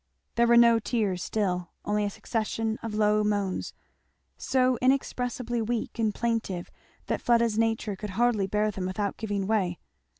There were no tears still, only a succession of low moans, so inexpressibly weak and plaintive that Fleda's nature could hardly bear them without giving way.